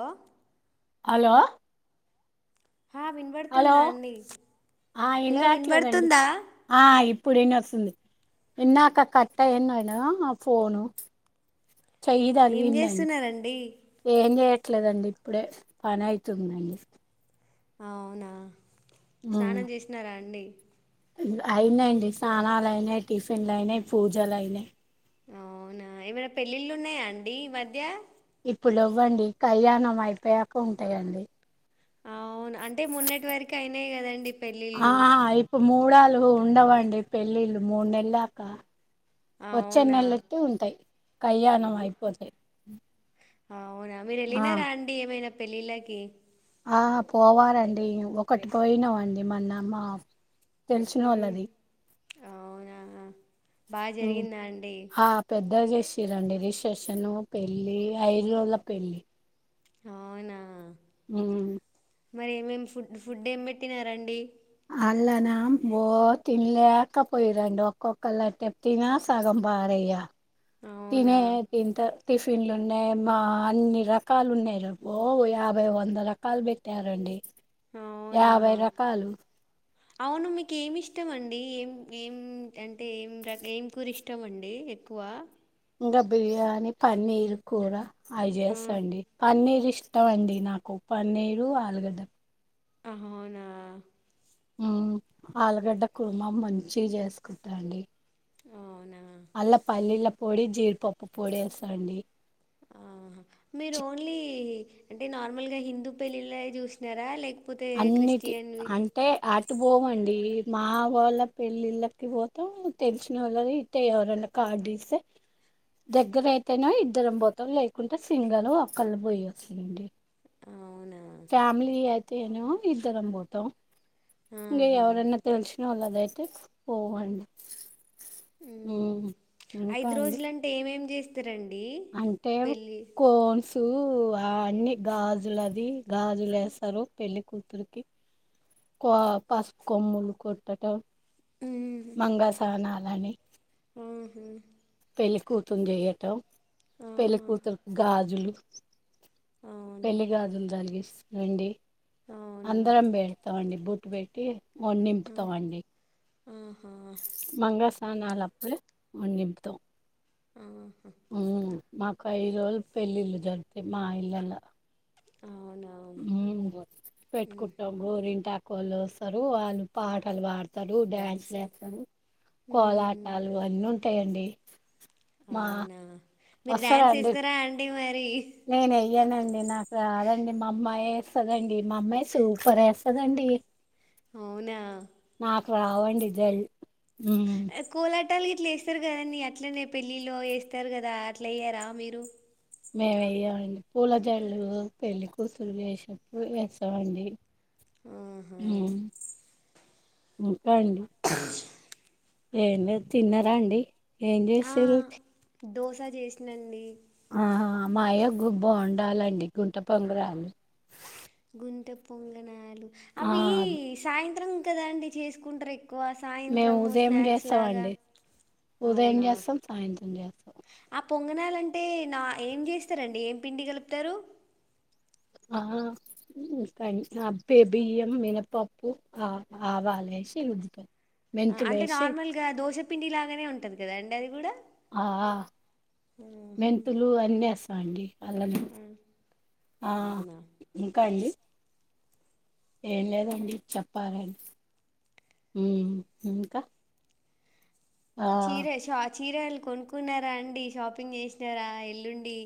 Hello hello ఆ hello వినపడుతుందా అండి ఆ ఏం హలో రాట్లేదండి వినబడుతుందా ఆ ఇప్పుడు వినొస్తుంది ఇందాక కట్ అయినాన ఫోను చెయ్యి ఏం తగిలిందండి చేస్తున్నారండి ఏం చే ట్లేదండి ఇప్పుడే పని అవుతుందండి అవునా స్నానం చేసినారా అండి అయినాండి స్నానాలు అయినాయి టిఫిన్లు అయినాయి పూజలు అయినాయి అవునా ఏమైనా పెళ్ళిళ్ళు ఉన్నాయా అండి ఈ మధ్య ఇప్పుడు లేవ్వండి కళ్యాణం అయిపోయాక ఉంటాయండి అవును అంటే మొన్నటి వరకు అయినాయి కదండి ఆ పెళ్ళిళ్ళు ఇప్పుడు మూడాళ్లు ఉండవండి పెళ్ళిళ్ళు మూడు నెల్లు దాకా వచ్చే అవునా నెలకె ఉంటాయి కళ్యాణం అయిపోతే అవునా మీరు ఆ వెళ్ళినారా అండి ఏమైనా పెళ్ళిళ్ళకి ఆ పోవాలండి ఒకటి పోయినామండి మొన్న మా అవునా బాగా ఉ జరిగిందా అండి ఆ పెద్ద చే చేసిరండి రిసెప్షన్ పెళ్లి ఐదు రోజుల పెళ్ళి అవునా ఉ మరి ఏమేమి ఫుడ్ ఫుడ్ ఏం పెట్టినారండి ఆళ్ళన బో తినలేకపోయిరండి ఒక్కొక్కలైతే తిన సగం పారే ఇగ అవునా తినే తింటరూ టిఫిన్లు ఉన్నాయి మా ఆ అన్ని రకాలు ఉన్నాయి ఓ యాభై, వంద రకాలు పెట్టారండి అవునా యాభై రకాలు అవును మీకు ఏమి ఇష్టం అండి ఏం ఏం అంటే ఏం ఏం కూర ఇష్టం అండి ఎక్కువ ఇంకా బిర్యానీ పన్నీర్ కూర అది ఆ చేస్తండి పన్నీర్ ఇష్ టం అండి నాకు పన్నీరు, ఆలుగడ్డ ఆహా అవునా ఉ ఆలుగడ్డ కుర్మ మంచి చేసుకుంటాండి అవునా పొడి జీడిపప్పు పొడి వేస్తాండి ఆహా మీరు చి- ఓన్లీ అంటే నార్మల్గా హిందూ పెళ్ళిళ్ళ చూసినారా లైక్ అన్నిటి అంటే అటు పోవండి మా వాళ్ళ పెళ్ళిళ్ళకి పోతాం తెలిసిన వాళ్ళ ఇతే ఎవరన్నా కార్డు ఇస్తే దగ్గర అయితేనే ఇద్దరం పోతాం లేకుంటే సింగల్ ఒక్కళ్ళు పోయొస్తుందండి అవునా ఫ్యామిలీ అయితే ఏను ఇద్దరం పోతాం ఇంగ ఆహా ఎవరన్నా తెల్సు లదైతే పోవండి ఉ ఇంకా ఐదు అండి రోజులంటే ఏమేం చేస్తారండి అంటే పెళ్ళి కోన్సు అ అన్ని గాజులు అది గాజులు వేస్తారు పెళ్లి కూతురికి కో పసుపు కొమ్ములు కొట్టట మంగ సనాలని ఉహు పెళ్ళికూతురుని చేయటం ఆహా పెళ్ళికూతురుకి గాజులు అవునా పెళ్లి గాజులు తగిలాస్తామండీ అవునా అందరం బేడతామండి బటు ట్టు పెట్టి వడీ నింపుతామండి ఆహా మంగసానాలప్పుడే వండింపుతాం ఆ ఉ మాకు ఇరోజు పెళ్ళిళ్ళు జరుగుతాయి మా ఇల్లలా అవునా కోళ్ళు కొస్తారు వాళ్ళు పాటలు పాడతారు డ్యాన్స్ చేస్తారు మ్మ్ కోలాటాలు అన్నీ ఉంటాయండి మా అవునా మీరు డ్యాన్స్ వస్తారండి ఏస్తారా అండి మరి ఏయానండి నాకు రాదండి మా అమ్మాయి వేస్తుదండి మా అమ్మాయి సూపర్ వేస్తదండి అవునా రావండిదరు కులే పట్టాలుకి ఇట్లా వేస్తారు కధారండీ అట్లనే పెళ్ళిలో వేస్తారు కదా అట్లా అయ్యారా మీరు మేము వెయ్యమండి పూల జల్లు పెళ్లి కూసులు చేసినప్పుడు వేసామండి ఆహా ఇంకా అండి ఎంలే తిన్నారా అండి ఏం ఆ చేసారు దోశ చేసినండి ఆ మాయ బాగుండాలండి గుంట పొంగడలు గుంటె పొంగనాలు ఆ అవి సాయంత్రం కదండి చేసుకుంటారు ఎక్కువ మేము సాయంత్రము ఉదయం స్నాక్స్ లాగా చేస్తామండి ఉదయం అవునా చేస్తాం సాయంత్రం చేస్తాం ఆ పొంగనాలంటే నా ఏం చేస్తారండి ఏం పిండి కలుపుతారు ఆ బే బియ్యం మినపప్పు ఆ ఆవాలేసి రూబీతం అంటే నార్మల్గా దోశపిండి లాగానే ఉంటది కదా అండి అది కూడా ఆ మెంతులు అన్నీస్తాం అండి అలా ఆ, అవునా ఇంకా అండి ఏం లేదండి చెప్పాలి హ్మ్ ఇంకా ఆ చీరేషా చీరలుు కొనుక్కున్నారా అండి షాపింగ్ చేసినారా ఎల్లుండి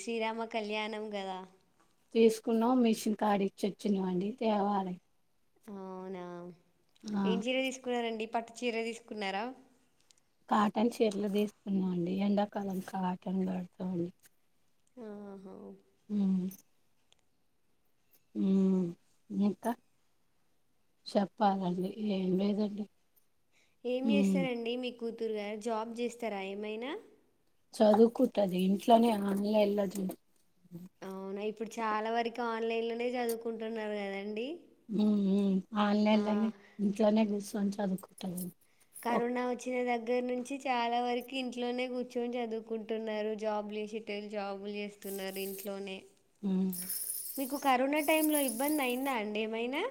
శ్రీరామ కళ్యాణ అన్నం కదా తీసుకున్నాం మిషన్ కడ ఇచ్చొచ్చినవండి తేవాలె అవునా ఏం చీర తీసుకున్నారండి పట్టు చీర తీసుకున్నారా కాటన్ చీర్లు తీసుకున్నాండి ఎండాకాలం కాటన్ వాడతామండి ఆహా హ్మ్మ్ హ్మ్ ఇంకా చెప్పాలండి ఏం లేదండి ఏం ఉమ్ చేస్తారండి మీ కూతురు గారు జాబ్ చేస్తారా ఏమైనా చదువు కుట్టది ఇంట్లోనే ఆన్లైన్ లో అవునా ఇప్పుడు చాలా వరకు ఆన్లైన్ లోనే చదువుకుంటున్నారు కదండి హ ఆ, అల్నేలనే ఇంట్లోనే కూర్చుని చదువు కుంటది కరోనా వచ్చిన దగ్గర దగ్గర నుంచి చాలా వరకు ఇంట్లోనే కూర్చొని చదువుకుంటున్నారు జాబ్ లేసిటైల్ జాబ్ లేదు ఇంటిలోనే ఉమ్ మీకు కరోనా టైంలో ఇబ్బంది అయిందా అండి ఏమైనా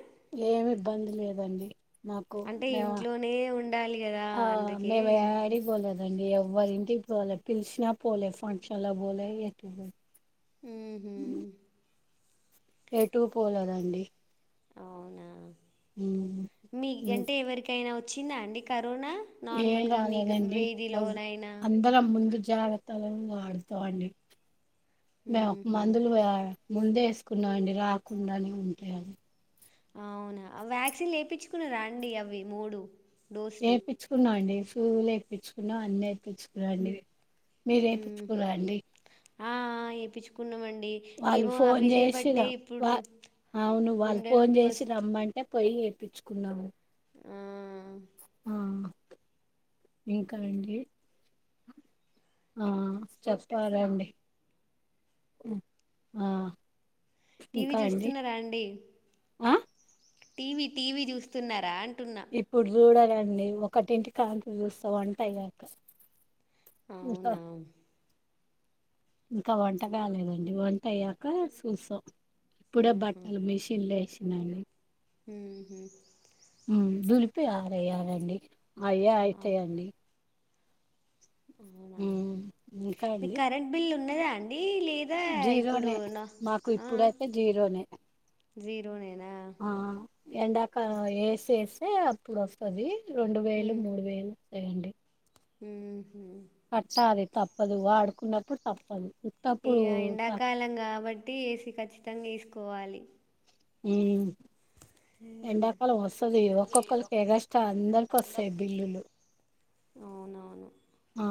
ఏమి ఇబ్బంది లేదండి మాకు అంటే మేము ఇంట్లోనే ఉండాలి కదా ఆ అందుకే మేము యాడికి పోలేదు దండి ఎవ్వరింటిక్ పోలే. పిలిచినా పోలే. ఫంక్షన్లక్ పోలే. ఎటు పో మ్ హు ఎటు పోలేదండి. అవునా! ఉమ్ ఉమ్ మీకంటే, ఎవరికైనా వచ్చిందా అండి క కరోనా! ఏం నార్మల్గా మీ గ రాలేదండి ఎవ్ వీధిలోనైనా, అందరం ముందు జాగ్రత్తలు అవి వాడతాం అండి. మేము ఊహూ మందులు వా ముందె వేసుకున్న అండి. రాకుండానే ఉంటాయిని. అవునా, వ్యాక్సిన్ ఏపించుకున్నారా అండి అవి మూడు? డోసులు ఏపిచ్చుకున్నా అండి. సూదులు ఏపిచ్చుకున్న అన్ని ఏపిచ్చుకున్న అండి. మ్మ్. మీరేపుచ్చుకున్న అండి? ఆ ఆ, వేయించుకున్నామండి వాళ్ళు ఏమో ఫోన్ అవి చేసి చేయబట్టే రమ్ ఇప్పుడు వా, అవును. వాళ్ళు గుండె ఫోన్ నొప్పి చేసి వస్తు రమ్మంటే, పోయి ఏపిచ్చుకున్నాము. ఆ, ఆ ఇంకా అండి? ఆ చెప్పారండి. మ్ ఆ. టీవి ఇంకా అండి చూస్తున్నారా అండి? ఆ టీవీ, టీవీ చూస్తున్నారా అన్ ఇప్పుడు చూడాలండి. ఒకటింటి కాంతి చూస్తా వంటయ్యాక. అవునా ఇంకా వంట కాలేదండి. వంట అయ్యాక చూస్తా. ఇప్పుడే ఆహా బట్టలు మిషన్లు ఏసిన అండి. మ్హు దులిపి ఆరెయాలండి. అవె ఆ అయితాయండి. అవునా మ్ ఇంకా మీకు అండి? కరెంట్ బిల్ ఉన్నదా అండి లేదా ఇప్పుడు జీరోనే. నా మాకు ఆ ఇప్పుడైతే జీరోనే. జీరోనేనా ఆ ఎండాకాలం ఏసి ఏస్తే అప్పుడోస్తది. రొండు వేలు, మూడు వేలు వత్తాయండి. మ్ కట్టాలి తప్పదు. వాడుకున్నప్పుడు తప్పదు. ఉత్తప్పుడు ఇగ ఎండాకాలం కాబట్టి, ఏసి ఖచ్చితంగ ఏసుకోవాలి. మ్ ఎండాకాలం వస్తది. ఒక్కొక్కలికి ఎగస్ట్రా అందరికీ వస్తాయి బిల్లులు. అవునవును ఆ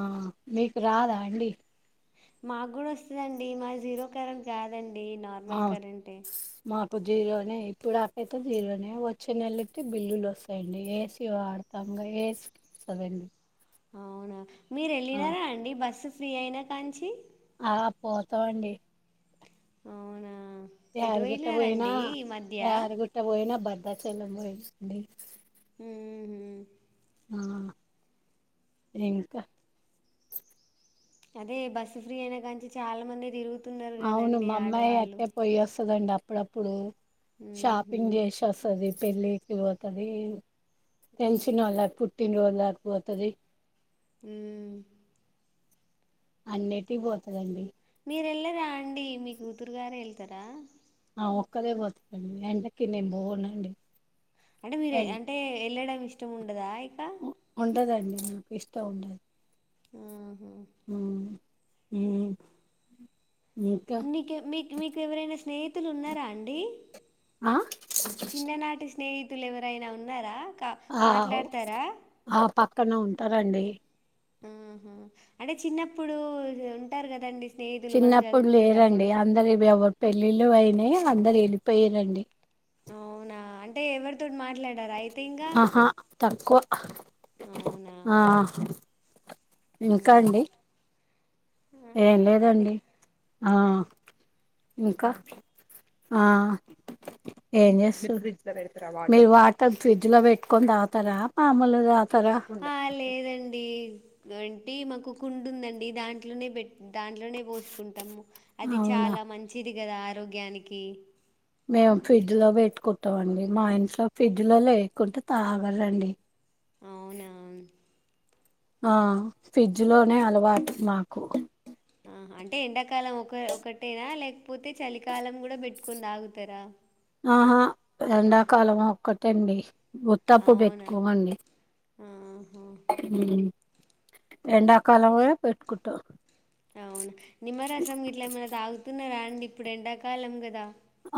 మీకు రాదా అండి? మాకు కూడ వస్తదండి. మాది జీరో కరెంట్ కాదండి. నార్మల్ కరెంటే. ప్పు జీరోనే ఇప్పుడాకైతే జీరోనే. వచ్చే నెలయితె బిల్లులు వస్తాయండి ఏసీ వాడతాం. ఇంగ ఏసీ కదండి! అవునా! మీరెళ్ళినారా అండి బస్సు ఫ్రీ అయినా కాంచి? ఆ పోతామండి. అవునా! ఎటు యాదిగుట్ట పోయినా, వెళ్ళినారండి ఈ మధ్య యాదిగుట్ట పోయినా భద్రాచలం పోయింటండి. మ్ హు ఆ ఇంక అదే బస్సు ఫ్రీ అయిన కానుంచి చాలా మంది తిరుగు అవును మా అమ్మాయి అక్కే పొయ్యోస్తదండి అప్పుడప్పుడు. ఊహూ షాపింగ్ జేసి వస్తది పెళ్ళికి పోతది. తెలిసినోళ్ల పుట్టిన రోజులకి పోతది. మ్ అన్నిటి పోతదండి. మీరు ఎల్లరా అండి మీ కూతురుగారే ఎళ్తరా? ఒక్కదే పోతుందండి వెంటకి నేను బోవునండి అంటే మీరు అంటే వెళ్ళడం ఇష్టం ఉండదా ఇక ఉండదండి నాకిష్టం ఉండదు మ్ మ్ మ్మ్ మీకె మీకు మీకు ఎవరైనా స్నేహితులు ఉన్నారా అండి ఆ చిన్ననాటి స్నేహితులు ఎవరైనా ఉన్నారా. కా ఆ మాట్లాడతారా ఆ పక్కన ఉంటారండి మ్ హు అంటే చిన్నప్పుడు ఉంటారు కదండి చిన్నప్పుడు లేరండి అందరు ఎవరు పెళ్ళిళ్ళు అయినా అందరు వెళ్ళిపోయిరండి. అవునా అంటే ఎవరితోటి మా ఆహా తక్కువ ఆ ఇంకా మ్ హు అండి ఏం అదే లేదండి ఆ ఇంకా ఆ ఏం చేస్తారు మీరు వాటర్ ఫ్రిడ్జ్ లో పెట్టుకొని తాగుతారా మాములుగా దా ఆ లేదండి అంటి మాకు కుండుందండి దాంట్లోనే పెట్ దాంట్లోనే పోసుకుంటాము అది అవునా చాలా మంచిది గదా ఆరోగ్యానికి మేము ఫ్రిడ్జ్ లో పెట్టుకుంటామండి మా ఇంట్లో ఫ్రిడ్జ్ లో లేకుంటే తాగలండి అవునా ఆ ఫ్రిడ్జ్ లోనే అలవాటు మాకు అంటే ఎండాకాలం ఒక ఒకటేనా లేకపోతే చలికాలం గూడా పెట్టుకుని తాగుతారా ఆహా ఎండాకాలం ఒక్కటెండి వుత్తప్పుడు అవునా! పెట్టుకోమండి ఆహా! ఎండాకాలలోనే పెట్టుకుంటాం అవునా నిమ్మరసం గిట్లా ఏమైనా తాగుతున్నారా అండి ఇప్పుడు ఎండాకాలం గదా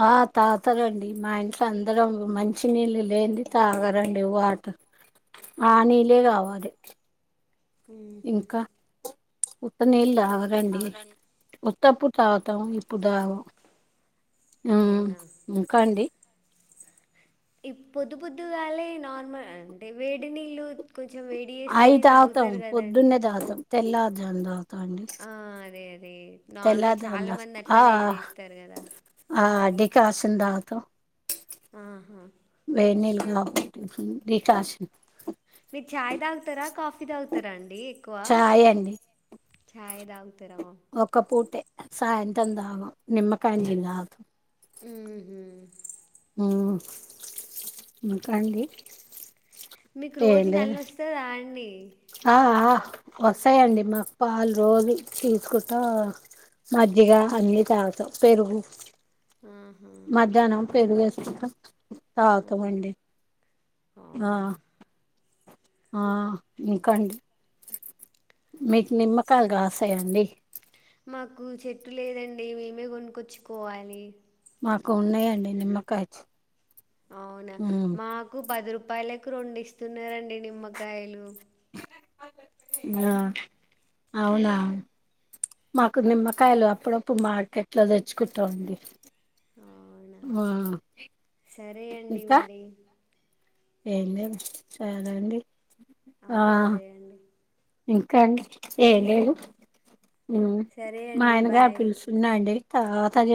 ఆ తాతారండి మా ఇంట్లో అందరం మంచినీళ్ళు లేంది తాగారండి వాట ఆ నీళ్ళే గావాలి మ్ హు ఉత్త నీళ్ళు తాగరండి ఉత్తప్పుడు తాగుతాం ఇప్పుడు తాగము మ్మ్ అవునా ఇంకాండి ఈ పొద్దు పొద్దుగాలే నార్మల్ అంటే వేడి నీళ్ళు కొ అయి తాగుతాం పొద్దున్నే తాగుతాం తెల్లర్ జాము తాగుతాం అండి ఆ అదే అదే నార్మల్ తెల్లారుజామున చాలా మంది తాగుతాం ఆ అట్లనే చేస్తారు గదా క్యాషన్ దాగుతావ్ ఆహా వేడి నీళ్లు [unintelligible] డికర్శన్ మీరు చాయ్ తాగుతారా కాఫీ కాఫీ తాగుతారా అండి ఎక్కువ చాయ్ అండి చాయ్ తాగుతారావా మొత్తం తాగాం నిమ్మకాయ నీళ్లు తాగుతాం మ్ హు మ్ ఇంకాండి మీకు రోజు నల్లొస్తాండీ ఆ ఆ వస్తాయండి మాకు పాలు రోజు చసుకుంటాం మజ్జిగ అన్ని తాగుతా పెరుగు ఆహా మధ్యాహ్నం పెరుగెసుకుంటాం ఆ తాగుతామండి ఆ అవునా ఆ ఇంకా అండి మీకు నిమ్మకాలు కాసాయండి మాకు చెట్టు లేదండి మేమే కొనుక్కొచ్చుకోవాలి. మాకు ఉన్నాయండి నిమ్మకాయ చే అవునా మాకు పది రూపాయలకు రెండు ఇస్తున్నారండి నిమ్మకాయలు ఆ అవునా మాకు నిమ్మకాయలు అప్పుడప్పుడు మార్కెట్ లో తెచ్చుకుంటా అవునా ఆ సరే అండి మరి ఏంటి చాలా అండి ఆ సరే అండి కానీ ఏ లేదు సరే మా అండి ఆయనగారు బాయ్ పిలుచన్నా అండి తది